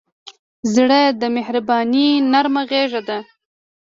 زړه د مهربانۍ نرمه غېږه ده.